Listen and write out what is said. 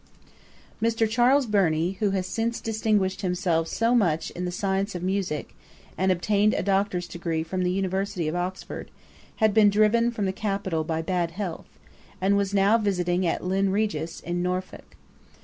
Mr. Charles Burney, who has since distinguished himself so much in the science of Musick, and obtained a Doctor's degree from the University of Oxford, had been driven from the capital by bad health, and was now residing at Lynne Regis, in Norfolk.